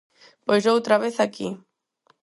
Pois outra vez aquí.